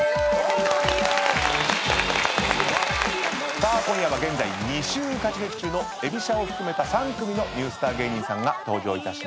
さあ今夜は現在２週勝ち抜き中のえびしゃを含めた３組のニュースター芸人さんが登場いたします。